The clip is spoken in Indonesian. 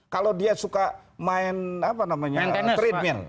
kalau dia suka main apa namanya treadmill